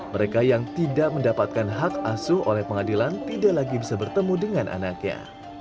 mereka yang tidak mendapatkan hak asuh oleh pengadilan tidak lagi bisa bertemu dengan anaknya